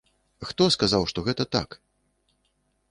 Хто сказаў, што гэта так?